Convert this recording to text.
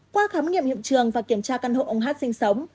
qua khám nghiệm hiện trường và kiểm tra căn hộ ông hát sinh sống